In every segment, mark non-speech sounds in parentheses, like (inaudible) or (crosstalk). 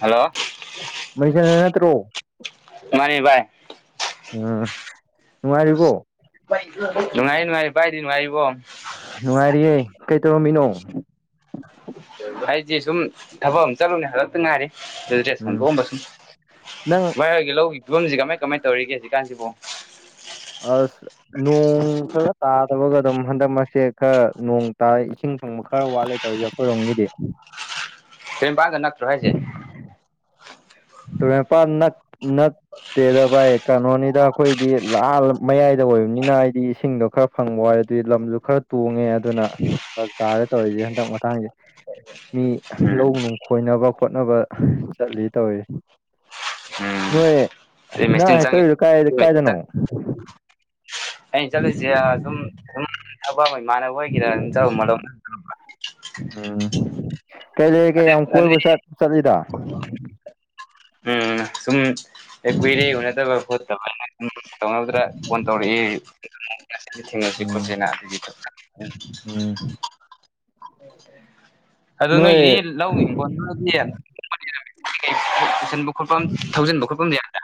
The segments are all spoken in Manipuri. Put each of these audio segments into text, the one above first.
ꯍꯜꯂꯣ ꯃꯁꯠꯇ꯭ꯔꯣ ꯃꯥꯅꯤꯚꯥꯏ ꯎꯝ ꯅꯨꯡꯉꯥꯏꯔꯤꯕꯣ ꯅꯨꯡꯉꯥꯏ ꯅꯨꯡꯉꯥꯏ ꯄꯥꯏꯗꯤ ꯅꯨꯡꯉꯥꯏꯔꯤꯕꯣ ꯅꯨꯡꯉꯥꯏꯔꯤꯌꯦꯦ ꯀꯩ ꯇꯧꯔꯝꯃꯤꯅꯣ ꯑꯩꯗꯤꯦ ꯁꯨꯝ ꯊꯕꯛ ꯑꯃ ꯆꯠꯂꯨꯅꯦ ꯍꯟꯗꯛꯇ ꯉꯥꯏꯔꯤ ꯎꯝ ꯍꯜꯗꯣꯛꯑꯝꯕꯁꯤꯅꯤ ꯅꯪ ꯚꯥꯏ ꯍꯣꯏꯒꯤ ꯂꯧꯒꯤ ꯐꯤꯕꯝꯁꯤ ꯀꯃꯥꯏ ꯀꯃꯥꯏꯅ ꯇꯧꯔꯤꯒꯦ ꯍꯧꯖꯤꯛꯀꯥꯟꯁꯤꯕꯨꯣ ꯑ ꯅꯣꯡ ꯈꯔ ꯇꯥꯗꯕꯒ ꯑꯗꯨꯝ ꯍꯟꯗꯛꯃꯛꯁꯦ ꯈꯔ ꯅꯣꯡ ꯇꯥ ꯏꯁꯤꯡ ꯐꯪꯕ ꯈꯔ ꯋꯥꯠꯂꯦ ꯇꯖꯥꯄꯨꯔꯔ ꯍꯪꯗꯤ ꯀꯔꯤꯝ ꯄꯒ ꯅꯠꯇ꯭ꯔꯣ ꯍꯥꯏꯁꯦ ꯄ ꯅ ꯅ ꯇꯦꯗ ꯚꯏ ꯀꯩꯅꯣꯅꯤꯗ ꯑꯩꯈꯣꯏꯗꯤ ꯂꯥꯜ ꯃꯌꯥꯏꯗ ꯑꯣꯏꯕꯅꯤꯅ ꯍꯥꯏꯗꯤ ꯏꯁꯤꯡꯗꯣ ꯈꯔ ꯐꯪꯕ ꯋꯥꯏ ꯑꯗꯨꯗꯤ ꯂꯝꯁꯨ ꯈꯔ ꯇꯣꯡꯉꯦ ꯑꯗꯨꯅ ꯐꯔꯛ ꯇꯔꯦ ꯇꯧꯔꯤꯁꯦ ꯍꯟꯗꯛ ꯃꯊꯥꯡꯁꯦ ꯃꯤ ꯎꯝ ꯂꯧ ꯅꯨꯡ ꯈꯣꯏꯅꯕ ꯈꯣꯠꯅꯕ ꯆꯜꯂꯤꯠ ꯇꯧꯋ ꯎꯝ ꯅꯣꯏ ꯑꯗꯩ ꯅꯪ ꯃꯦꯆꯤꯟ ꯆꯪꯉꯤ ꯍꯥꯏꯆꯔꯤꯗꯣ ꯀꯥꯏ ꯀꯥꯏꯗꯅꯣ ꯑꯩꯅ ꯆꯠꯂꯨꯁꯦ ꯁꯨꯝ ꯁ ꯑꯄꯥꯕ ꯏꯃꯥꯟꯅꯕ ꯑꯣꯏꯒꯦꯔꯥ ꯑꯗꯨꯝ ꯆꯠꯂꯨ ꯎꯝ ꯀꯩ ꯂꯩꯔꯤꯒꯦ ꯌꯥꯝ ꯀꯣꯏꯕ ꯑꯗꯨꯗꯤ ꯆꯠꯂꯤꯗ ꯎꯝ ꯁꯨꯝ ꯑꯦ ꯀꯨꯏꯔꯦ ꯎꯅꯗꯕ ꯈꯣꯠꯇꯕ ꯇꯧꯧꯗ꯭ꯔꯥ ꯐꯣꯟ ꯇꯧꯔꯛꯏ ꯊꯦꯡꯉꯁꯦ ꯎꯝ ꯀꯣꯁꯦꯅ ꯎ ꯎꯝ ꯑꯗꯨꯣ ꯅꯣꯏꯒꯤꯗꯤ ꯅꯣꯏ ꯂꯧ ꯍꯤꯡꯈꯣꯟꯗꯨꯔꯗꯤ ꯄꯨꯁꯟꯕ ꯈꯣꯠꯄ ꯊꯧꯖꯤꯟꯕ ꯈꯣꯠꯐꯝꯗꯤ ꯌꯥꯗ꯭ꯔꯥ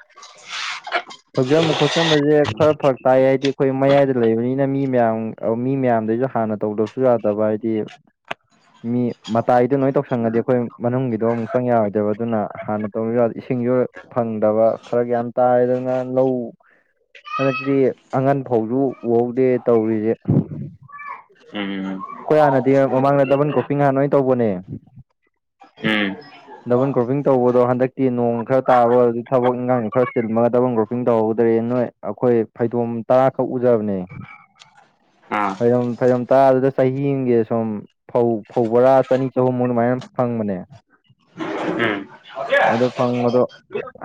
ꯍꯧꯆꯕ ꯈꯣꯠꯆꯟꯕꯁꯦ ꯈꯔ ꯐꯔꯛ ꯇꯥꯏ ꯍꯥꯏꯗꯤ ꯑꯩꯈꯣꯏ ꯃꯌꯥꯏꯗ ꯂꯩꯕꯅꯤꯅ ꯃꯤ ꯃꯌꯥꯝ ꯃꯤ ꯃꯌꯥꯝꯗꯩꯁꯨ ꯍꯥꯟꯅ ꯇꯧꯗꯕꯁꯨ ꯌꯥꯗꯕ ꯍꯥꯏ ꯃꯤ ꯃꯇꯥꯏꯗꯨ ꯅꯣꯏ ꯇꯧꯁꯪꯉꯗꯤ ꯑꯩꯈꯣꯏ ꯃꯅꯨꯡꯒꯤꯗꯣ ꯑꯃꯨꯛ ꯆꯪ ꯌꯥꯔꯣꯏꯗꯕ ꯑꯗꯨꯅ ꯍꯥꯟꯅ ꯇꯧꯔꯗꯤ ꯏꯁꯤꯡꯁꯨ ꯐꯪꯗꯕ ꯈꯔ ꯒ꯭ꯌꯥꯟ ꯇꯥꯔꯗꯅ ꯑꯉꯥꯡ ꯂꯧ ꯍꯟꯗꯛꯛꯇꯗꯤ ꯑꯉꯟ ꯐꯥꯎꯁꯨ ꯎꯍꯧꯗꯦ ꯇꯧꯔꯤꯁꯦ ꯎꯝ ꯑꯩꯈꯣꯏ ꯍꯥꯟꯅꯗꯤ ꯃꯃꯥꯡꯗ ꯗꯕꯟ ꯀ꯭ꯔꯣꯄꯤꯡ ꯍꯥꯟꯅ ꯑꯣꯏꯅ ꯇꯧꯕꯅꯦ ꯎꯝ ꯗꯕꯜ ꯒ꯭ꯔꯣꯄꯤꯡ ꯇꯧꯕꯗꯣ ꯍꯟꯗꯛꯀꯤ ꯅꯣꯡ ꯈꯔ ꯇꯥꯕ ꯊꯕꯛ ꯏꯟꯈꯥꯡ ꯈꯔ ꯆꯤꯟꯜꯂꯒ ꯗꯕꯟ ꯒ꯭ꯔꯣꯄꯤꯡ ꯇꯧꯍꯧꯗ꯭ꯔꯦ ꯅꯣꯏ ꯑꯩꯈꯣꯏ ꯐꯩꯗꯣꯝ ꯇꯔꯥꯈꯛ ꯎꯖꯕꯅꯦ ꯎꯝ ꯐꯩꯔꯣ ꯐꯩꯔꯣ ꯇꯥ ꯑꯗꯨꯗ ꯆꯍꯤꯒꯤ ꯁꯨꯝ ꯐꯧ ꯐꯧ ꯕꯣꯔꯥ ꯆꯅꯤ ꯆꯍꯨꯝꯃꯨ ꯑꯗꯨꯃꯥꯏꯅ ꯑꯗꯨꯝ ꯐꯪꯕꯅꯦ ꯎꯝ ꯎꯝ ꯑꯗꯨ ꯐꯪꯕꯗꯣ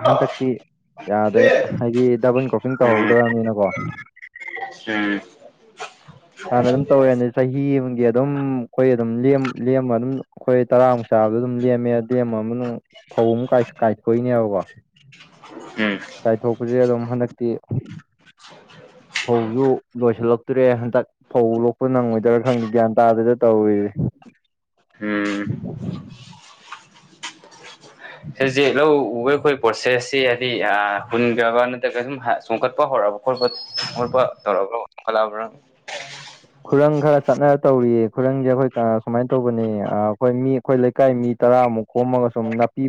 ꯍꯟꯗꯛꯇꯤ ꯌꯥꯗ꯭ꯔꯦ ꯍꯥꯏꯗꯤ ꯗꯕꯟ ꯀ꯭ꯔꯣꯄꯤꯡ ꯇꯧꯍꯧꯗ꯭ꯔꯕꯅꯤꯅꯀꯣ ꯎꯝ ꯍꯥꯟꯅ ꯑꯗꯨꯝ ꯇꯧꯋꯦꯅꯤ ꯆꯍꯤ ꯑꯃꯒꯤ ꯑꯗꯨꯝ ꯑꯩꯈꯣꯏ ꯑꯗꯨꯝ ꯂꯦꯝꯕ ꯑꯗꯨꯝ ꯑꯩꯈꯣꯏ ꯇꯔꯥꯃꯨꯛ ꯆꯥꯕꯗ ꯑꯗꯨꯝ ꯂꯦꯝꯃꯦ ꯇꯦꯝꯕ ꯃꯅꯨꯡ ꯐꯧ ꯑꯃꯨꯛ ꯀꯥꯏꯊꯣꯛꯏꯅꯦꯕꯀꯣ ꯎꯝ ꯀꯥꯏꯊꯣꯛꯄꯁꯦ ꯑꯗꯨꯝ ꯍꯟꯗꯛꯇꯤ ꯐꯧꯁꯨ ꯂꯣꯏꯁꯤꯜꯂꯛꯇ꯭ꯔꯦ ꯍꯟꯗꯛ ꯐꯧ ꯂꯣꯛꯄ ꯅꯪꯉꯣꯏꯗ ꯔ ꯈꯪꯅꯤ ꯒ꯭ꯌꯥꯟ ꯇꯥꯗꯗ ꯇꯧꯔꯤꯁꯦ ꯎꯝ ꯁꯤꯁꯦꯛ ꯂꯧ ꯎꯕ ꯑꯩꯈꯣꯏ ꯄ꯭ꯔꯣꯁꯦꯁꯁꯤꯦ ꯍꯥꯏꯗꯤ ꯍꯨꯟꯈ꯭ꯔꯕ ꯅꯠꯇ꯭ꯔꯒ ꯁꯨꯝ ꯆꯣꯡꯈꯠꯄ ꯍꯧꯔꯛꯑꯕ ꯀꯄ ꯀꯣꯄꯧꯔꯕ꯭ꯔꯣ ꯀꯜꯂꯑꯕ꯭ꯔꯥ ꯈꯨꯔꯪ ꯈꯔ ꯆꯠꯅꯔ ꯇꯧꯔꯤꯌꯦ ꯈꯨꯔꯪꯁꯦ ꯑꯩꯈꯣꯏ ꯁꯨꯃꯥꯏꯅ ꯇꯧꯕꯅꯦ ꯑꯩꯈꯣꯏ ꯃꯤ ꯑꯩꯈꯣꯏ ꯂꯩꯀꯥꯏ ꯃꯤ ꯇꯔꯥꯃꯨꯛ ꯈꯣꯝꯃꯒ ꯁꯨꯝ ꯅꯥꯄꯤ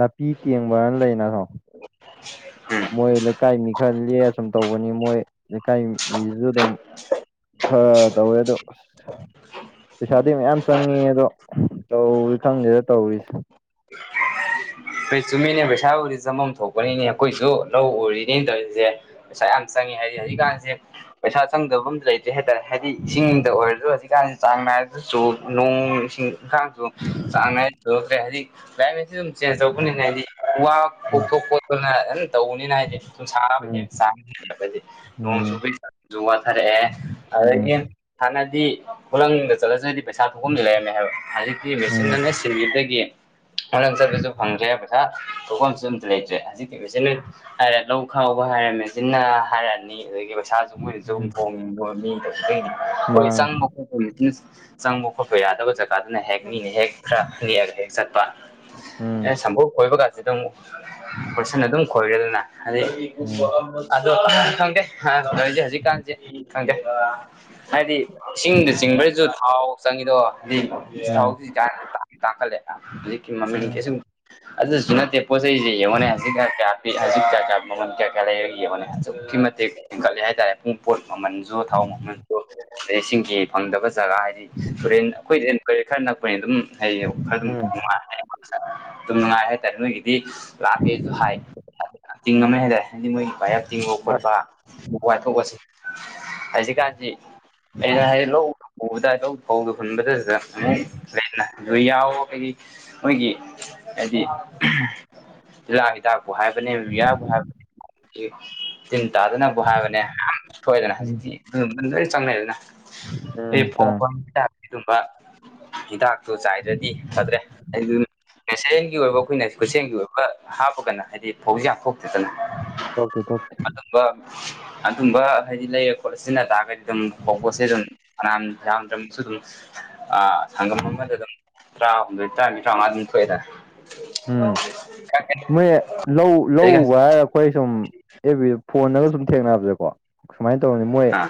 ꯅꯥꯄꯤ ꯇꯦꯡꯕꯅ ꯂꯩꯅꯁꯨꯣ ꯎꯝ ꯃꯣꯏ ꯂꯩꯀꯥꯏ ꯃꯤ ꯈꯔ ꯂ ꯁꯨꯝ ꯇꯧꯕꯅꯤ ꯃꯣꯏ ꯂꯩꯀꯥꯏ ꯃꯤꯁꯨ ꯑꯗꯨꯝ ꯍ ꯇꯧꯌꯦꯗ ꯄꯩꯁꯥꯗꯤ ꯃꯌꯥꯝ ꯆꯪꯉꯤ ꯑꯗꯣ ꯇꯧꯔꯤ ꯈꯪꯗꯦꯗ ꯇꯧꯔꯤꯁꯦ ꯑꯩꯩ ꯆꯨꯝꯃꯤꯅꯦ ꯄꯩꯁꯥꯕꯨꯗꯤ ꯆꯐꯝꯝ ꯊꯣꯛꯄꯅꯤꯅꯦ ꯑꯩꯈꯣꯏꯁꯨ ꯂꯧ ꯎꯔꯤꯅꯦꯅ ꯇꯧꯔꯤꯁꯦ ꯄꯩꯁꯥ ꯌꯥꯝ ꯆꯪꯉꯤ ꯍꯥꯏꯗꯤ ꯍꯧꯖꯤꯛꯀꯥꯟꯁꯦ ꯄꯩꯁꯥ ꯆꯪꯗꯕ ꯑꯃꯇ ꯂꯩꯇꯦ ꯍꯧꯖꯤꯛ ꯍꯥꯏꯇꯥꯔꯦ ꯍꯥꯏꯗꯤ ꯏꯁꯤꯡꯗ ꯑꯣꯏꯔꯁꯨ ꯍꯧꯖꯤꯛꯀꯥꯟꯁꯤꯦ ꯆꯥꯡ ꯅꯥꯏꯔꯗꯁꯨ ꯅꯣꯡ ꯏꯁꯤꯡ ꯊꯥꯡ ꯆ ꯍꯥꯏ ꯌꯥ (unintelligible) ꯆꯦꯟ ꯇꯧꯕꯅꯤꯅꯦ ꯍꯥꯏꯗꯤ ꯋꯥ ꯎꯝ ꯈꯣꯠꯇꯣꯛ ꯈꯣꯠꯇꯣꯛꯅ ꯇꯧꯅꯤꯅ ꯍꯥꯏꯗꯤ ꯁꯥꯕ ꯍꯦꯟꯅ ꯎꯝ ꯆꯥ ꯍꯠꯂꯛꯄꯗꯤ ꯅꯣꯡ ꯆꯨꯕꯩ ꯆꯁꯨ ꯋꯥꯊꯔꯛꯑꯦ ꯎꯝ ꯑꯗꯒꯤ ꯍꯥꯟꯅꯗꯤ ꯈꯨꯂꯪꯗ ꯆꯠꯂꯁꯤ꯭ꯔꯗꯤ ꯄꯩꯁꯥ ꯊꯣꯛꯐꯝꯗꯤ ꯂꯩꯔꯝꯃꯦ ꯍꯥꯏꯕ ꯍꯧꯖꯤꯛꯇꯤ ꯎꯝ ꯎꯝ ꯃꯦꯆꯤꯟꯅ ꯂꯣꯏ ꯁꯤꯟꯈꯤꯗꯒꯤ ꯈꯨꯂꯪ ꯆꯠꯄꯁꯨ ꯐꯪꯗ꯭ꯔꯦ ꯄꯩꯁꯥ ꯊꯣꯛꯐꯝꯁꯨ ꯑꯝ ꯂꯩꯇ꯭ꯔꯦ ꯍꯧꯖꯤꯛꯀꯤꯤ (unintelligible) ꯍꯥꯏꯔ ꯂꯧ ꯈꯥꯎꯕ ꯍꯥꯏꯔꯃꯦ ꯆꯟꯅ ꯍꯥꯏꯔꯛꯑꯅꯤ ꯑꯗꯨ ꯏꯁꯩꯥꯁꯨ ꯃꯣꯏꯅꯁꯨ ꯑꯗꯨꯝ ꯎꯝ ꯍꯣꯡꯅꯤꯡꯕ ꯃꯤꯗꯗꯩꯗꯤ ꯃꯥ ꯍꯣꯏ ꯆꯪꯕ ꯈꯣꯠꯄ ꯆꯪꯕ ꯈꯣꯠꯄ ꯌꯥꯗꯕ ꯖꯒꯥꯗꯨꯅ ꯍꯦꯛ ꯃꯤꯅ ꯍꯦꯛ ꯈꯔ ꯅꯦꯛꯑꯒ ꯍꯦꯛ ꯆꯠꯄ ꯎꯝ ꯑꯦ ꯁꯝꯝꯕꯨ ꯈꯣꯏꯕ ꯀꯥꯟꯁꯤ ꯑꯗꯨꯝ ꯄꯣꯏꯠꯁꯟꯅ ꯑꯗꯨꯝ ꯈꯣꯏꯔꯦꯗꯅ ꯑꯗꯩ ꯎꯝ ꯑꯗꯣ ꯈꯪꯗꯦ ꯅꯁꯦ ꯍꯧꯖꯤꯛꯀꯥꯟꯁꯦ ꯈꯪꯗꯦ ꯍꯥꯏꯗꯤ ꯏꯁꯤꯡꯗ ꯆꯤꯡꯕ꯭ꯔꯁꯨ ꯊꯥꯎ ꯆꯪꯉꯗꯣ ꯍꯥꯏꯗꯤ ꯎꯝ ꯊꯥꯎꯁꯤ ꯇꯥꯛꯈꯠꯂꯦ ꯍꯧꯖꯤꯛꯀꯤ ꯎꯝ ꯃꯃꯤꯡꯒꯤꯁ ꯑꯗꯨꯁꯨ ꯅꯠꯇꯦ ꯄꯣ ꯆꯩꯁꯤꯦ ꯌꯦꯡꯉꯅꯦ ꯍꯧꯖꯤꯛ ꯀꯌꯥ ꯍꯧꯖꯤꯛ ꯀꯌꯥ ꯀꯌꯥ ꯃꯃꯜ ꯀꯌꯥ ꯀꯌꯥ ꯂꯩꯔꯒ ꯌꯦꯡꯉꯅꯦ ꯑꯁꯨꯛꯀꯤ ꯃꯇꯤꯛ ꯍꯦꯟꯒꯠꯂꯦ ꯍꯥꯏꯇꯥꯔꯦ ꯄꯨꯡ ꯄꯣꯠ ꯃꯃꯟꯁꯨ ꯊꯥꯎ ꯃꯃꯟꯁꯨ ꯑꯗꯩ ꯏꯁꯤꯡꯒꯤ ꯐꯪꯗꯕ ꯖꯒꯥ ꯍꯥꯏꯗꯤ ꯇꯨꯔꯦꯟ ꯑꯩꯈꯣꯏꯖꯦ ꯀꯩ ꯈꯔ ꯅꯛꯄꯅꯤ ꯑꯗꯨꯝ ꯍꯩꯌꯦ ꯈꯔ ꯎꯝ ꯅꯨꯡꯉꯥꯏ ꯗꯨꯝ ꯅꯨꯡꯉꯥꯏ ꯍꯥꯏꯇꯥꯔꯦ ꯅꯣꯏꯒꯤꯗꯤ ꯂꯥꯛꯄꯦꯁꯨ ꯍꯥꯏ ꯇꯤꯡꯉꯝꯃꯦ ꯍꯥꯏꯇꯥꯔꯦ ꯍꯥꯏꯗꯤ ꯃꯣꯏ ꯄꯥꯏꯔꯛ ꯇꯤꯡꯕ ꯑꯁ ꯈꯣꯠꯄ ꯋꯥꯊꯣꯛꯑꯁꯤ ꯍꯖꯤꯛꯀꯥꯟꯁꯤ ꯑꯩꯅ ꯍꯥꯏꯔꯦ ꯂꯧ ꯎꯕꯗ ꯑꯗꯨꯝ ꯐꯧꯗꯨ ꯍꯨꯟꯕꯗꯗ ꯑꯃꯨꯛ ꯂꯤꯟꯅ ꯑꯗꯨ ꯌꯥꯎ ꯍꯥꯏꯗꯤ ꯃꯣꯏꯒꯤ ꯍꯥꯏꯗꯤ ꯖꯤꯂꯥꯒꯤ ꯍꯤꯗꯥꯛꯄ ꯍꯥꯏꯕꯅꯦ ꯕꯤꯌꯥꯕꯨ ꯍꯥꯏꯕꯅꯦ ꯇꯤꯟ ꯇꯥꯗꯅꯕꯕꯨ ꯍꯥꯏꯕꯅꯦ ꯌꯥꯝ ꯊꯣꯛꯑꯦꯗꯅ ꯎꯝ ꯍꯧꯖꯤꯛꯇꯤ ꯂꯣꯏ ꯆꯪꯅꯩꯗꯅ ꯑꯩ ꯎꯝ ꯐꯥꯎ ꯆꯥꯡ ꯐ ꯍꯤꯗꯥꯛꯀꯤ ꯑꯗꯨꯒꯕ ꯍꯤꯗꯥꯛ ꯇꯨ ꯆꯥꯏꯗ꯭ꯔꯗꯤ ꯐꯗ꯭ꯔꯦ ꯀꯁꯔꯦꯟꯒꯤ ꯑꯣꯏꯕ ꯑꯩꯈꯣꯏꯅ ꯈꯨꯁꯦꯝꯒꯤ ꯑꯣꯏꯕ ꯍꯥꯞꯄꯒꯅ ꯍꯥꯏꯗꯤ ꯐꯧꯁ ꯌꯥꯝꯊꯣꯛꯇꯗꯅ ꯊꯣꯛꯇꯦ ꯊꯣꯛꯦ ꯑꯗꯨꯝꯕ ꯑꯗꯨꯝꯕ ꯍꯥꯏꯗꯤ ꯂꯩꯔ ꯈꯣꯠꯂ ꯁꯤꯖꯤꯟꯅ ꯇꯥꯔꯒꯗꯤ ꯑꯗꯨꯝ ꯍꯧꯕꯁꯦ ꯑꯗꯨꯝ ꯐꯅꯥꯝ ꯌꯥꯝꯗ꯭ꯔꯃꯛꯁꯨ ꯑꯗꯨꯝ ꯑꯥ ꯁꯪꯒꯝ ꯑꯃꯗ ꯑꯗꯨꯝ ꯇꯔꯥꯍꯨꯝꯗꯣꯏ ꯇꯔꯥꯃꯔꯤ ꯇꯔꯥꯎꯉꯥ ꯑꯗꯨꯝ ꯇꯣꯑꯦꯗꯥ ꯎꯝ ꯈꯪꯒꯅꯤ ꯃꯣꯏ ꯂꯧ ꯂꯧ ꯎꯕ ꯍꯥꯏꯔ ꯑꯈꯣꯏ ꯁꯨꯝ ꯑꯦꯕ ꯕꯤꯗ ꯐꯣꯟꯗꯒ ꯁꯨꯝ ꯊꯦꯡꯅꯕꯗꯀꯣ ꯁꯨꯃꯥꯏꯅ ꯇꯧꯔꯕꯅꯤ ꯃꯣꯏ ꯑꯥ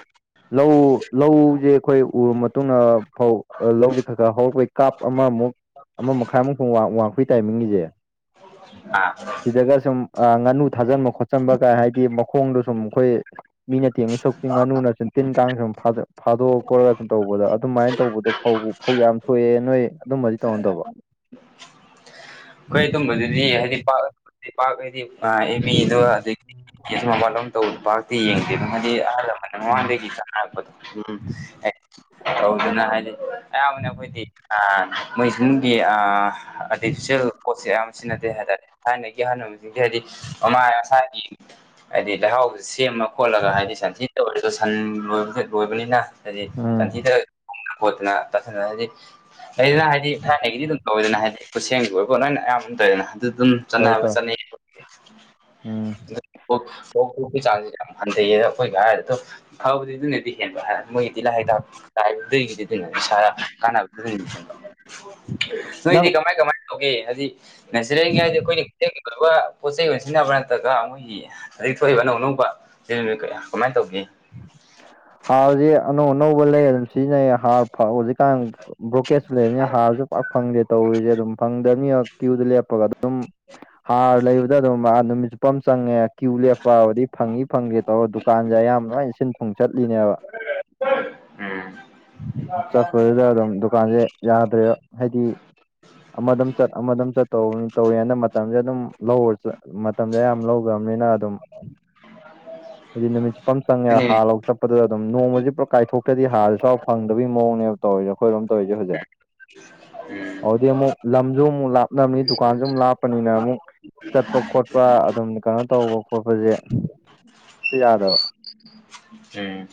ꯂꯧ ꯂꯧꯖꯦ ꯑꯈꯣꯏ ꯎꯔ ꯃꯇꯨꯡꯗꯥ ꯐꯧ ꯑ ꯂꯧꯖꯤ ꯈꯥ ꯈꯥ ꯍꯧꯔꯛꯄꯩ ꯀꯥꯞ ꯑꯃꯃꯨꯛ ꯑꯃ ꯃꯈꯥꯏꯃꯨꯛ ꯋꯥ ꯋꯥꯡꯄꯩ ꯇꯥꯏꯃꯤꯡꯒꯤꯖꯦ ꯑ ꯁꯤꯗꯒ ꯁꯨꯝ ꯉꯥꯅꯨ ꯊꯥꯖꯟꯕ ꯈꯣꯠꯆꯟꯕꯒ ꯍꯥꯏꯗꯤ ꯃꯈꯣꯡꯗꯣ ꯁꯨꯝ ꯑꯩꯈꯣꯏ ꯃꯤꯅ ꯇꯦꯡꯗꯣꯏ ꯁꯔꯨꯛꯄꯨꯗꯤ ꯉꯥꯅꯨꯅ ꯁꯨꯟ ꯇꯤꯟ ꯀꯥꯡꯁꯨꯝ ꯐꯥꯗꯣꯛꯑ ꯈꯣꯠ ꯑꯗꯨꯝ ꯇꯧꯕꯗ ꯑꯗꯨꯃꯥꯏꯅ ꯇꯧꯕꯗꯣ ꯐꯧ ꯐꯧ ꯌꯥꯝ ꯊꯣꯛꯑꯦ ꯅꯣꯏ ꯑꯗꯨꯝꯕꯗꯤ ꯇꯧꯅꯗꯕꯣ ꯑꯈꯣꯏ ꯑꯗꯨꯨꯝꯕꯗꯨꯗꯤ ꯍꯥꯏꯗꯤ ꯄꯥꯛ ꯄꯥꯛ ꯍꯥꯏꯗꯤ ꯑ ꯑꯦꯃꯦꯗꯣ ꯑꯗꯒꯤ ꯀꯦꯁ ꯃꯄꯥꯥꯜꯂꯣꯝ ꯇꯧꯕ ꯗꯤ ꯌꯦꯡꯗꯦ ꯑꯗꯨꯝ ꯍꯥꯏꯗꯤ ꯑꯍꯜ ꯂꯃꯟ ꯎꯝ ꯃꯃꯥꯡꯗꯒꯤ ꯆꯥꯅꯔꯛꯄꯗꯣ ꯎꯝ (unintelligible) ꯇꯧꯗꯨꯅ ꯍꯥꯏꯗꯤ ꯑꯌꯥꯝꯕꯅ ꯑꯩꯈꯣꯏꯗꯤ ꯃꯣꯏꯁꯤꯡꯒꯤ ꯑ ꯑꯥꯔꯇꯤꯐꯤꯁꯦꯜ ꯄꯣꯠꯁꯦ ꯑꯌꯥꯝꯕ ꯁꯤꯖꯤꯟꯅꯗꯦ ꯍꯥꯏ ꯇꯔꯦ ꯊꯥꯏꯅꯒꯤ ꯑꯍꯟ ꯂꯝꯟꯁꯤꯡꯗꯤ ꯍꯥꯏꯗꯤ ꯑꯃꯥ ꯁꯥꯒꯤ ꯍꯥꯏꯗꯤ ꯂꯩꯍꯥꯎꯁꯨ ꯂꯂꯁꯦꯝꯃ ꯈꯣꯠꯂꯒ ꯍꯥꯏꯗꯤ ꯁꯟꯊꯤ ꯇꯑꯣꯏꯔꯖꯨ ꯁꯟ ꯂꯣꯏꯕꯗꯥ ꯂꯣꯏꯕꯅꯤꯅ ꯍꯥꯏꯗꯤ ꯎꯝ ꯁꯟꯊꯤꯗꯒꯥ (unintelligible) ꯗꯣꯠꯇꯅ (unintelligible) ꯍꯥꯏꯗꯤ ꯂꯩꯗꯅ ꯍꯥꯏꯗꯤ ꯊꯥꯏꯅꯒꯤꯗꯤ ꯑꯗꯨꯝ ꯇꯧꯋꯦꯗꯅ ꯍꯥꯏꯗꯤ ꯈꯨꯠꯁꯦꯝꯒꯤ ꯑꯣꯏꯕꯣ ꯅꯪꯅ ꯑꯌꯥꯝꯕ ꯑꯃ ꯇꯧꯋꯦꯗꯅ ꯑꯗꯨ ꯑꯗꯨꯝ ꯇꯧꯋꯦ ꯆꯥꯅꯕ ꯇꯧꯋꯦ ꯆꯥꯅꯩ ꯗꯨ ꯎꯝ ꯑꯣ ꯀꯣꯛ ꯑꯣꯛꯀꯤ ꯆꯥꯡꯁꯦ ꯌꯥꯝ ꯍꯟꯊꯩꯌꯦ ꯑꯩꯈꯣꯏꯒ ꯍꯥꯏꯔꯗꯣ ꯐꯕꯗꯤ ꯑꯗꯨꯅꯗꯤ ꯍꯦꯟꯕ ꯍꯥ ꯃꯣꯏꯒꯤꯗꯤ ꯂꯥꯍꯦꯇꯥ ꯍꯥꯏꯕꯗꯨꯒꯤꯗꯤ ꯑꯗꯨꯅ (unintelligible) ꯅꯣꯏꯗꯤ ꯅꯪ ꯀꯃꯥꯏ ꯀꯃꯥꯏꯅ ꯇꯧꯒꯦ ꯍꯥꯏꯗꯤ ꯅꯦꯆꯔꯦꯜꯒꯤ ꯍꯥꯏꯗꯤ ꯑꯩꯈꯣꯏꯒꯤ (unintelligible) ꯑꯗꯨꯒ ꯄꯣꯠ ꯆꯩꯩ ꯑꯣꯏꯅ ꯁꯤꯖꯤꯟꯅꯕ ꯅꯠꯇ꯭ꯔꯒ ꯃꯣꯏꯒꯤ ꯍꯖꯤꯛ ꯊꯣꯛꯏꯕ ꯑꯅꯧ ꯑꯅꯧꯕ ꯁꯦꯝꯃꯤ ꯀꯌꯥ ꯀꯃꯥꯏꯅ ꯇꯧꯅꯤ ꯍꯥꯔꯁꯦ ꯑꯅꯧ ꯑꯅꯧꯕ ꯂꯩ ꯑꯗꯨꯝ ꯁꯤꯖꯤꯟꯅꯩꯌꯦ ꯍꯥꯔ ꯍꯧꯖꯤꯛꯀꯥꯟ ꯕ꯭ꯔꯣꯀꯦꯠꯁꯨ ꯂꯩꯕꯅꯤꯅ ꯍꯥꯔꯁꯨ ꯄꯥꯛ ꯐꯪꯗꯦ ꯇꯧꯔꯤꯁꯦ ꯑꯗꯨꯝ ꯐꯪꯗꯕꯅꯤꯅ ꯀ꯭ꯌꯨꯗ ꯂꯦꯞꯄꯒ ꯑꯗꯨꯝ ꯍꯥꯔ ꯂꯩꯕꯗ ꯑꯗꯨꯝ ꯑꯥꯥ ꯅꯨꯃꯤꯠ ꯆꯨꯞ ꯄꯝ ꯆꯪꯉꯦ ꯀ꯭ꯌꯨ ꯂꯦꯞꯄ ꯍꯧꯔꯗꯤ ꯐꯪꯏꯤ ꯐꯪꯗꯦ ꯇꯧꯔ ꯗꯨꯀꯥꯟꯁꯦ ꯑꯌꯥꯝ ꯁꯋꯥꯏꯖꯤ ꯁꯤꯟ ꯊꯨꯡ ꯆꯠꯂꯤꯅꯦꯕ ꯎꯝ ꯆꯠꯄꯗꯨꯗ ꯑꯗꯨꯝ ꯗꯨꯛ ꯗꯨꯀꯥꯟꯁꯦ ꯌꯥꯗ꯭ꯔꯦꯕ ꯍꯥꯏꯗꯤ ꯑꯃꯗꯝ ꯆꯠ ꯑꯃꯗꯝ ꯆꯠ ꯇꯧꯔ ꯇꯧꯔꯤꯉꯩꯗ ꯃꯇꯝꯖꯦ ꯑꯗꯨꯝ ꯂꯧꯔ ꯆꯠ ꯃꯠ ꯃꯇꯝꯖꯦ ꯑꯌꯥꯝ ꯂꯧꯂꯔꯃꯤꯅ ꯑꯗꯨꯝ ꯍꯥꯏꯗꯤ ꯅꯨꯃꯤꯠ ꯆꯨꯞꯄꯝ ꯆꯪꯉꯦ ꯑꯗꯨꯅꯦ ꯍꯥꯔ ꯂꯧ ꯆꯄ ꯑꯗꯨꯗ ꯑꯗꯨꯝ ꯅꯣꯡꯃꯖꯦ ꯄꯨꯔꯞ ꯀꯥꯏꯊꯣꯛꯇ꯭ꯔꯗꯤ ꯍꯥꯔ ꯁꯨꯐꯥꯎ ꯐꯪꯗꯕꯒꯤ ꯃꯑꯣꯡꯅꯦꯕ ꯇꯧꯔꯤꯖꯦ ꯑꯈꯣꯏꯔꯣꯝ ꯇꯧꯔꯤꯖꯦ ꯍꯧꯖꯤꯛ (inaudible) ꯎꯝ ꯑꯧꯗꯨꯗꯩ ꯑꯃꯨꯛ ꯂꯝꯖꯨ ꯑꯃꯨꯛ ꯂꯥꯞꯅꯝꯅꯤ ꯗꯨꯀꯥꯟꯖꯨ ꯃꯨꯛ ꯂꯥꯞꯄꯅꯤꯅ ꯑꯃꯨꯛ ꯆꯠꯄ ꯈꯣꯠꯄ ꯑꯗꯨꯝ ꯀꯩꯅꯣ ꯇꯧꯕ ꯈꯣꯠꯄꯖꯦ ꯍꯦꯛꯇ ꯌꯥꯗꯕ ꯎꯝ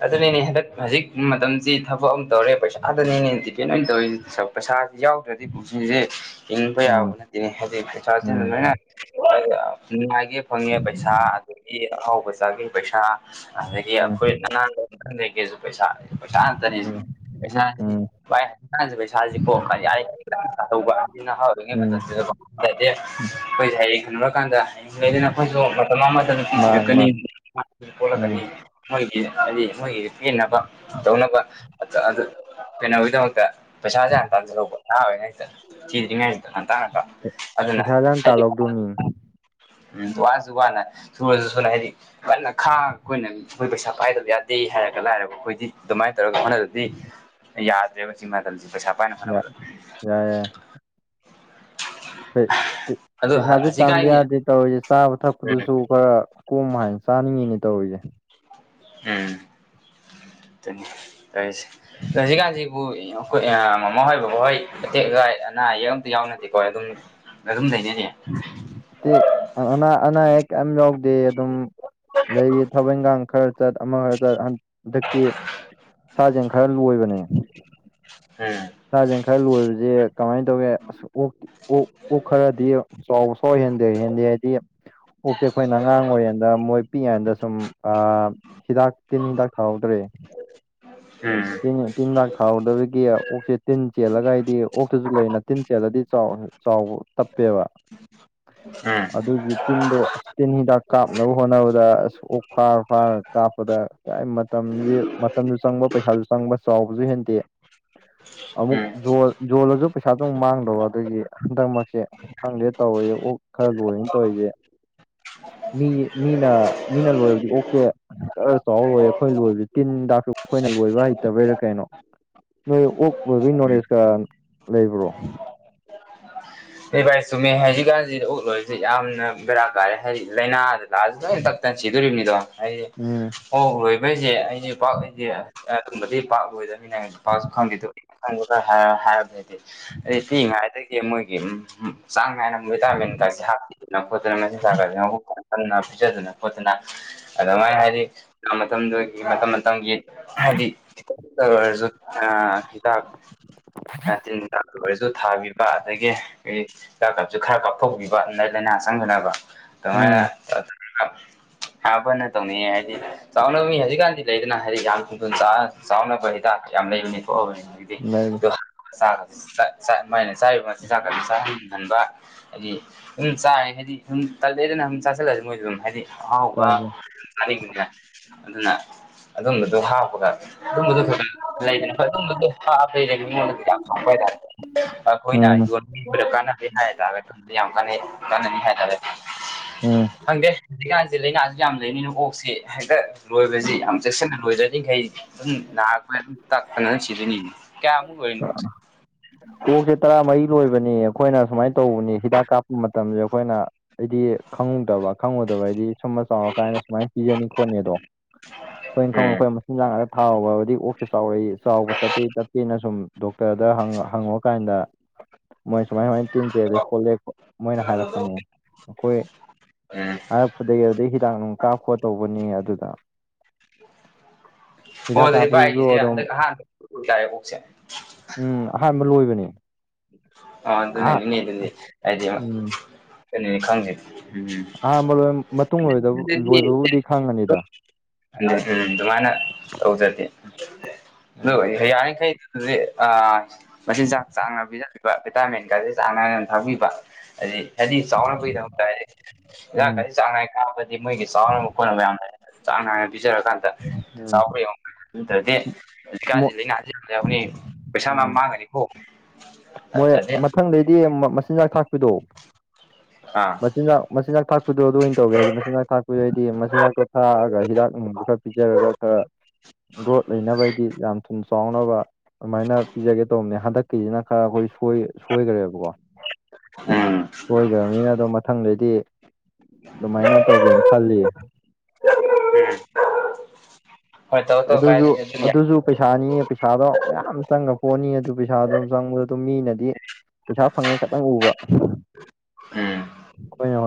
ꯑꯗꯨꯅꯤꯅꯦ ꯍꯟꯗꯛ ꯍꯧꯖꯤꯛ ꯃꯇꯝꯁꯤ ꯊꯕꯛ ꯑꯃ ꯇꯧꯔꯦ ꯄꯩꯁꯥꯗꯅꯦꯅꯦ ꯗꯤꯄꯦꯟ ꯑꯣꯏꯅ ꯇꯧꯔꯤ ꯇꯧ ꯄꯩꯁꯥꯁꯤ ꯌꯥꯎꯗ꯭ꯔꯗꯤ ꯄꯨꯟꯁꯤꯁꯦ ꯍꯤꯡꯕ ꯌꯥꯕ ꯎꯝ ꯗꯤꯅꯦ ꯍꯥꯏꯗꯤ ꯄꯩꯁꯥꯖꯤꯅ ꯎꯝ ꯂꯣꯏꯅ ꯑꯥ ꯅꯨꯡꯉꯥꯏꯒꯦ ꯐꯪꯉꯦ ꯄꯩꯁꯥ ꯑꯗꯒꯤ ꯑꯍꯥꯎꯕ ꯆꯥꯒꯦ ꯄꯩꯁꯥ ꯑꯗꯒꯤ ꯎꯝ ꯑꯩꯈꯣꯏ ꯅꯅꯥꯟ (unintelligible) ꯂꯩꯒꯦꯁꯨ ꯄꯩꯁꯥ ꯄꯩꯁꯥ ꯉꯥꯛꯇꯅꯤ ꯎꯝ ꯄꯩꯁꯥꯖꯤꯗꯤ ꯎꯝ ꯚꯥꯏ ꯍꯛꯆꯥꯡꯁꯦ ꯄꯩꯁꯥꯥꯁ ꯀꯣ (unintelligible) ꯅꯍꯔꯥꯎꯗꯔꯤꯉꯩ ꯎꯝ ꯃꯇꯝꯁꯤꯗꯀꯣ ꯌꯥꯗꯦ ꯑꯩꯈꯣꯏꯁꯦ ꯍꯥꯏꯌꯦꯡ ꯍꯟꯅꯨꯔꯀꯥꯟꯗ ꯍꯌꯦꯡ ꯁꯣꯏꯗꯅꯥ ꯑꯩꯈꯣꯏꯁꯨ ꯃꯇꯝ ꯑꯃꯗ ꯅꯨꯄꯤ ꯃꯥꯅꯤ ꯊꯤꯔꯛꯀꯅꯤ ꯃꯥꯅꯤ (unintelligible) ꯁꯨ ꯎꯝ ꯄꯣꯂꯛꯀꯅꯤ ꯒꯤ ꯍꯥꯏꯗꯤ ꯃꯣꯏꯒꯤ ꯄꯦꯟꯅꯕ ꯇꯧꯅꯕ ꯑꯗꯨ ꯄꯦꯅꯕꯩꯗꯃꯛꯇ ꯄꯩꯁꯥꯁꯦ ꯍꯥꯟꯅ ꯇꯥꯟꯁꯤꯟ ꯂꯧꯕ ꯑꯉꯥꯡ ꯑꯣꯏꯔꯤꯉꯩꯁꯤꯗ ꯊꯤꯗꯔ꯭ꯤꯉꯩꯁꯤꯗ ꯉꯥꯟꯇꯥꯅ ꯑꯗꯨꯅ ꯄꯩꯁꯥꯁꯨ ꯌꯥꯝ ꯇꯥꯜꯍꯧꯗꯣꯃꯤꯅꯦ (unintelligible) ꯎꯝ ꯋꯥꯔꯁꯨ ꯋꯥꯅ ꯁꯨꯔꯖꯨ ꯁꯨꯅ ꯑꯩꯗꯤ ꯀꯟꯅ (unintelligible) ꯈꯣꯏ ꯄꯩꯁꯥ ꯄꯥꯏꯗꯕ ꯌꯥꯗꯦ ꯍꯥꯏꯔꯒ ꯂꯥꯏꯔꯕ ꯑꯈꯣꯏꯗꯤ ꯑꯗꯨꯃꯥꯏꯅ ꯇꯧꯔꯒ ꯍꯣꯠꯅꯗꯔꯗꯤ ꯌꯥꯗ꯭ꯔꯦꯕꯆꯤꯃꯥꯇꯝꯁꯤ ꯄꯩꯁꯥ ꯄꯥꯏꯅ ꯌꯥꯏ ꯍꯣꯠꯅꯕꯗ ꯄꯩ ꯄꯤꯠ ꯑꯗꯣ ꯄꯩꯁꯥꯖꯨ ꯇꯥꯟꯗ ꯍꯧꯖꯤꯛꯀꯥꯟꯒꯤ ꯌꯥꯗꯦ ꯇꯧꯔꯤꯖꯦ ꯆꯥꯕ ꯎꯝ ꯊꯛꯄꯗꯨꯁꯨ ꯈꯔ ꯀꯣꯝ ꯃꯥꯏꯟ ꯆꯥꯅꯤꯡꯉꯤꯅꯦ ꯇꯧꯔꯤꯖꯦ (unintelligible) ꯍꯧꯖꯤꯀꯥꯟꯁꯤꯕꯨ ꯑꯩꯈꯣꯏ ꯃꯃꯥ ꯍꯣꯏ ꯕꯕꯥꯍꯣꯏ ꯑꯇꯦꯛ ꯑꯒ ꯑꯅꯥ ꯑꯌꯦꯛ ꯑꯝꯇ ꯌꯥꯎꯅꯗꯦꯀꯣ ꯑꯗꯨꯝ ꯑꯗꯨꯝ ꯂꯩꯖꯔꯤ ꯑꯅꯥ ꯑꯅꯥ ꯑꯌꯦꯛ ꯀ ꯌꯥꯎꯗꯦ ꯑꯗꯨꯝ ꯂꯩꯌꯦ ꯊꯕꯛ ꯏꯪꯈꯥꯡ ꯈꯔ ꯆꯠ ꯑꯃ ꯈꯔ ꯆꯠ ꯍꯟ ꯍꯟꯗꯛꯇꯤ ꯁꯥ ꯁꯟ ꯈꯔ ꯂꯣꯏꯕꯅꯦ (unintelligible) ꯁꯥꯖꯟ ꯈꯔ ꯂꯣꯏꯕꯁꯦ ꯀꯃꯥꯏꯅ ꯇꯧꯒꯦ ꯑꯁ ꯑꯣ ꯑꯣꯛ ꯄꯨꯛ ꯈꯔꯗꯤ ꯆꯥꯎꯕ ꯍꯦꯟꯗ ꯍꯦꯟꯗꯦ ꯍꯥꯏꯗꯤ ꯑꯣꯛꯁꯦ ꯑꯈꯣꯏꯅ ꯑꯉꯥꯡ ꯑꯣꯏꯔꯤꯌꯥꯟꯗ ꯃꯣꯏ ꯄꯤꯛꯏꯉꯩꯗ ꯁꯨꯝ ꯑꯥ ꯍꯤꯗꯥꯛ ꯇꯤꯟ ꯍꯤꯗꯥꯛ ꯊꯥꯍꯧꯗ꯭ꯔꯦ ꯎꯝ ꯇꯤꯟꯅꯦ ꯇꯤꯟ ꯍꯤꯗꯥꯛ ꯊꯥꯍꯧꯗꯕꯒꯤ ꯑꯣꯛꯁꯦ ꯇꯤꯟ ꯆꯦꯜꯂꯒ ꯑꯩꯗꯤ ꯑꯣꯛꯇꯖꯨ ꯂꯩꯅ ꯇꯤꯟ ꯆꯦꯜꯂꯗꯤ ꯆꯥꯎꯔ ꯆꯥꯎꯕ ꯇꯞꯄꯦꯕ ꯎꯝ ꯑꯗꯨꯒꯤ ꯇꯤꯟꯗꯣ ꯑꯁ ꯇꯤꯟ ꯍꯤꯗꯥꯛ ꯀꯥꯞꯅꯕ ꯍꯣꯠꯅꯕꯗ ꯑꯁ ꯑꯣꯛ ꯐꯥꯔ ꯐꯥꯔ ꯀꯥꯞꯄꯗ ꯀꯏ ꯃꯇꯝꯁꯤ ꯃꯇꯝꯁꯨ ꯆꯪꯕ ꯄꯩꯁꯥꯁꯨ ꯆꯪꯕ ꯆꯥꯎꯕꯁꯨ ꯍꯦꯟꯗꯦ ꯑꯃꯨꯛ ꯎꯝ ꯖꯣꯜ ꯖꯣꯜꯂꯖꯨ ꯄꯩꯁꯥꯗꯨ ꯑꯃꯨꯛ ꯃꯥꯡꯗꯕ ꯑꯗꯒꯤ ꯍꯟꯗꯛ ꯃꯔꯛꯁꯦ ꯈꯪꯗꯦ ꯇꯧꯔꯤꯁꯦ ꯑꯣꯛ ꯈꯔ ꯂꯣꯢꯅ ꯇꯧꯔꯤꯁꯦ ꯃꯤ ꯃꯤꯅ ꯃꯤꯅ ꯂꯣꯏꯕꯗꯤ ꯑꯣꯛꯆꯦ ꯖꯔ ꯆꯥꯎ ꯂꯣꯏꯔꯦ ꯑꯈꯣꯏ ꯂꯣꯏꯕꯖꯦ ꯇꯤꯟ ꯗꯥꯛꯁꯨ ꯑꯈꯣꯏꯅ ꯂꯣꯏꯕ ꯍꯩꯠ ꯗꯕꯩꯔ ꯀꯩꯅꯣ ꯅꯣꯏ ꯑꯣꯛ ꯂꯣꯏꯕꯒꯤ ꯅꯣꯂꯦꯖ ꯀ ꯂꯩꯕ꯭ꯔꯣ ꯑꯩ ꯚꯥꯏ ꯆꯨꯝꯃꯦ ꯍꯧꯖꯤꯛꯀꯥꯟꯁꯤ ꯎꯛꯂꯣꯏꯕꯥ ꯌꯥꯝꯅ ꯕꯔꯥ ꯀꯥꯔꯦ ꯍꯥꯏꯗꯤ ꯂꯥꯏꯅꯥꯗ ꯂꯥꯑꯁꯨ ꯂꯣꯏꯅ ꯇꯛꯇꯅ ꯁꯤꯗꯣꯔꯤꯕꯅꯤꯗꯣ ꯍꯥꯏꯗꯤ ꯎꯝ ꯑꯣ ꯂꯣꯏꯕꯩꯁꯦ ꯑꯩꯁꯦ ꯄꯥꯛꯁꯦ ꯕꯗꯤ ꯄꯥꯛ ꯂꯣꯏꯗꯕꯅꯤꯅ ꯄꯥꯛꯁꯨ ꯈꯪꯕꯤꯗ (unintelligible) ꯑꯩ ꯁꯤ ꯉꯥꯏꯗꯒꯤ ꯃꯣꯏꯒꯤ ꯎꯝ ꯍꯨꯝ ꯆꯥꯡ ꯅꯥꯏꯅꯥ (unintelligible) ꯑꯗꯨꯅ ꯄꯤꯖꯗꯅ ꯈꯣꯠꯇꯅ ꯑꯗꯨꯃꯥꯏꯅ ꯍꯥꯏꯗꯤ ꯃꯇꯝꯗꯨꯒꯤ ꯃꯇꯝ ꯃꯇꯝꯒꯤ ꯍꯥꯏꯗꯤꯔ ꯈꯤꯇꯪꯗ ꯑꯣꯏꯔꯁꯨ ꯍꯥ ꯍꯤꯗꯥꯛ ꯑ ꯇꯤꯟ ꯍꯤꯗꯥꯛꯇ ꯑꯣꯏꯔꯖꯨ ꯊꯥꯕꯤꯕ ꯑꯗꯒꯤ ꯑꯏ ꯍꯤꯗꯥꯛ ꯀꯥꯞꯁꯨ ꯈꯔ ꯀꯥꯞꯊꯣꯛꯄꯤꯕ ꯑꯗꯨꯗ ꯂꯥꯏꯅꯥ ꯆꯪꯗꯅꯕ ꯑꯗꯨꯃꯥꯏꯅ ꯎꯝ ꯇꯧ ꯑꯥ ꯍꯥꯄꯅ ꯇꯧꯅꯤꯡꯉꯦ ꯍꯥꯏꯗꯤ ꯆꯥꯎꯅꯕ ꯃꯤ ꯍꯧꯖꯤꯛꯀꯥꯟꯗꯤ ꯂꯩꯗꯅ ꯍꯥꯏꯗꯤ ꯌꯥꯝ ꯆꯥꯎꯅꯕ ꯍꯤꯗꯥꯛ ꯌꯥꯝ ꯂꯩꯕꯅꯤ ꯊꯣꯛꯑꯕꯅꯤ ꯂꯩ ꯆꯥꯛꯁꯤ ꯃꯩꯅ ꯆꯥꯔꯤꯕ ꯃ ꯆꯥꯛ ꯈꯔ ꯍꯟꯕ ꯍꯥꯏꯗꯤ ꯑꯗꯨꯨꯝ ꯆꯥꯔꯦ ꯍꯥꯏꯗꯤ ꯁꯨꯝ ꯇꯜꯂꯛꯑꯦꯗꯅ ꯁꯨꯝ ꯆꯥꯁꯤꯜꯂꯑꯗꯤ ꯃꯣꯏꯗ ꯑꯗꯨꯝ ꯍꯥꯏꯗꯤ ꯑꯍꯥꯎꯕ ꯇꯥꯏ ꯇꯥꯏ ꯆꯥꯅꯤꯡꯕꯅꯦ ꯑꯗꯨꯅ ꯑꯗꯨꯝꯕꯗꯣ ꯍꯥꯎ ꯄꯗ ꯑꯗꯨꯝꯕꯗꯨ ꯈꯔ ꯂꯩꯗꯅ ꯍ ꯑꯗꯨꯝꯕꯗꯣ ꯍꯥꯞ ꯂꯩꯔꯒ ꯃꯤꯉꯣꯟꯗ ꯗ ꯍꯥꯞꯄ ꯍꯥꯏꯇꯥꯔꯦꯅꯦ ꯑꯈꯣꯏꯅ ꯎꯝ ꯌ ꯑꯈꯣꯌꯗ ꯀꯥꯟꯅꯗꯦ ꯍꯥꯏꯇꯥꯔꯦ ꯊꯗꯤ ꯌꯥꯝ ꯀꯥꯟꯅꯩ ꯀꯥꯟꯅꯅꯤ ꯍꯥꯏꯇꯥꯔꯦ ꯎꯝ ꯈꯪꯗꯦ ꯍꯧꯖꯤꯛ ꯀꯥꯟꯁꯦ ꯂꯩꯅꯁꯦ ꯌꯥꯝ ꯂꯩꯕꯅꯤꯅ ꯑꯣꯛꯁꯤ ꯍꯦꯛꯇ ꯂꯣꯏꯕꯖꯤ ꯌꯥꯝ ꯆꯦꯛꯁꯤꯟꯅ ꯂꯣꯏꯖꯔꯤꯈꯩ ꯑꯗꯨꯝ ꯅꯥꯔꯛꯄꯏ ꯇꯥꯛꯄꯅ ꯁꯤꯗꯅꯤ ꯀꯌꯥꯃꯨ ꯂꯣꯏꯅꯣ ꯑꯣꯛꯁꯦ ꯐꯣꯛꯁꯦ ꯇꯔꯥꯃꯔꯤ ꯂꯣꯏꯕꯅꯤ ꯑꯩꯈꯣꯏꯅ ꯁꯨꯃꯥꯏꯅ ꯇꯧꯕꯅꯤ ꯍꯤꯗꯥꯛ ꯀꯥꯞꯄ ꯃꯇꯝꯁꯦ ꯑꯩꯈꯣꯏꯅ ꯑꯩꯗꯤ ꯈꯪꯡꯗꯕ ꯈꯪꯉꯨꯗꯕ ꯍꯥꯏꯗꯤ ꯁꯨꯝꯕ ꯆꯥꯎꯔ ꯀꯥꯏꯅ ꯁꯨꯃꯥꯏꯅ ꯄꯤꯔꯅꯤ ꯈꯣꯠꯅꯤꯗꯣ ꯑꯈꯣꯏꯅ ꯈꯪꯅꯣ ꯎꯝ ꯑꯩꯈꯣꯏ (unintelligible) ꯊꯥꯎꯕꯗꯤ ꯑꯣꯛꯁꯦ ꯆꯥꯎꯔꯛꯏ ꯆꯥꯎꯕ ꯇꯞꯄꯤ ꯇꯞꯄꯤꯅ ꯁꯨꯝ ꯗꯣꯛꯇꯔꯗ ꯍꯪꯉꯒ ꯐꯪꯉꯀꯥꯟꯗ ꯃꯣꯏ ꯁꯨꯃꯥꯏ ꯁꯨꯃꯥꯏꯅ ꯇꯤꯟ ꯆꯦꯜꯂꯦ ꯈꯣꯠꯂꯦ ꯃꯣꯏꯅ ꯍꯥꯏꯔꯛꯄꯅꯦ ꯑꯩꯈꯣꯏ ꯎꯝ ꯍꯥꯏꯔꯛꯄꯗꯒꯤ ꯑꯗꯨꯩ ꯍꯤꯗꯥꯛ ꯅꯨꯡ ꯀꯥꯞ ꯈꯣ ꯇꯧꯕꯅꯤ ꯑꯗꯨꯗ ꯑꯣ ꯍꯤꯗꯥꯛ ꯑꯗꯨꯗꯤ ꯚꯥꯏ ꯀꯥꯞꯄꯗꯨꯁꯨ ꯑꯩꯒꯤꯁꯦ ꯑꯗꯨꯝ ꯍꯟꯗꯛ ꯑꯍ ꯍꯟꯗꯛ ꯇꯥꯛꯑꯦ ꯄꯣꯛꯁꯦ ꯎꯝ ꯑꯍꯥꯟꯕ ꯂꯣꯏꯕꯅꯦ ꯑ ꯑꯗꯨꯅꯅꯤꯅꯦ ꯑꯗꯨꯗꯤ ꯍꯥꯏꯗꯤ ꯎꯝ ꯑꯗꯨꯅꯦ ꯈꯪꯁꯤꯦ ꯑꯍꯥꯟꯕ ꯂꯣꯏ ꯃꯇꯨꯡ ꯂꯣꯏꯗꯕ ꯎꯝꯗꯤ ꯂꯣꯏꯕꯕꯨꯗꯤ ꯈꯪꯉꯅꯤꯗ ꯎꯝ ꯑꯗꯨꯃꯥꯏꯅ ꯇꯧꯖꯗꯦ ꯑꯗꯨ ꯎꯝ ꯌꯥꯔꯤꯈꯩ ꯑ ꯃꯁꯤꯤꯟ ꯆꯥꯛ ꯆꯥ ꯄꯤꯖꯕꯤꯕ ꯚꯤꯇꯥꯃꯤꯟꯒꯁꯤꯦ ꯆꯥꯡ ꯅꯥꯏꯅ ꯊꯥꯛꯕꯤꯕ ꯍꯥꯏꯗꯤ ꯍꯥꯏꯗꯤ ꯆꯥꯎꯅꯕꯒꯤꯗꯃꯛꯇ ꯍꯥꯏꯗꯤꯥꯛ ꯎꯝ ꯈꯗꯤ ꯆꯥꯡꯅꯥ ꯕꯗꯤ ꯃꯣꯏꯒꯤ ꯆꯥꯎꯅꯕ ꯈꯣꯠꯅꯕ ꯌꯥꯝꯅ ꯆꯥꯡ ꯅꯥꯏꯅ ꯄꯤꯖꯔꯀꯥꯟꯗ ꯎꯝ ꯆꯥꯎꯈ꯭ꯔ ꯌꯦ ꯑꯗꯨ ꯇꯔꯗꯤ ꯍꯧꯖꯤꯀꯥꯁꯤ ꯂꯩꯅ ꯍꯥꯏꯖꯤ ꯑꯩꯈꯣꯏꯅꯤ ꯄꯩꯁꯥ ꯃ ꯃꯥꯡꯒꯅꯤꯀꯣ ꯃꯣꯏ ꯅꯠꯇ꯭ꯔꯗꯤ ꯃꯊꯪꯗꯩꯗꯤ ꯃꯆꯤꯟꯖꯥꯛ ꯊꯥꯛꯄꯤꯗꯣ ꯑꯥ ꯃꯆꯤꯟꯖꯥꯛ ꯃꯆꯤꯟꯖꯥꯛ ꯊꯥꯛꯄꯤꯗꯣ ꯑꯗꯨ ꯑꯣꯏꯅ ꯇꯧꯒꯦ ꯍꯥꯏꯗꯤ ꯃꯆꯤꯟꯖꯥꯛ ꯊꯥꯛꯄꯤꯗꯩꯗꯤ ꯃꯆꯤꯟꯖꯥꯛꯇꯣ ꯊꯥꯛꯑꯒ ꯍꯤꯗꯥꯛ ꯅꯨꯡꯗꯣ ꯈꯔ ꯄꯤꯖꯔꯒ ꯈꯔ ꯒ꯭ꯔꯣꯠ ꯂꯩꯅꯕꯒꯤꯗꯤ ꯌꯥꯝ ꯊꯨꯝ ꯆꯥꯎꯅꯕ ꯑꯗꯨꯃꯥꯏꯅ ꯄꯤꯖꯒꯦ ꯇꯧꯕ ꯃꯍ ꯍꯥꯗꯀꯤꯅ ꯈꯔ ꯑꯩꯈꯣꯏ ꯁꯣꯏꯈ꯭ꯔꯦꯕꯀꯣ ꯎꯝ ꯁꯣꯏꯈ꯭ꯔꯕꯅꯤꯅ ꯑꯗꯣ ꯃꯊꯪꯗꯩꯗꯤ ꯑꯗꯨꯃꯥꯏꯅ ꯇꯧꯒꯦꯅ ꯈꯜꯂꯤ ꯍꯣꯏ ꯇꯧ ꯑꯗꯨꯁꯨ ꯀꯥꯏ ꯑꯗꯨꯁꯨ ꯄꯩꯁꯥꯅꯤꯅꯦ ꯄꯩꯁꯥꯗꯣ ꯃꯌꯥꯝ ꯆꯪꯉ ꯄꯣꯠꯅꯤ ꯑꯗꯨ ꯄꯩꯁꯥ ꯑꯗꯨꯝ ꯆꯪꯕꯗ ꯑꯗꯨꯝ ꯃꯤꯅꯗꯤ ꯄꯩꯁꯥ ꯐꯪꯉꯦ ꯈꯇꯪ ꯎꯕ ꯎꯝ ꯀꯣꯏ ꯑ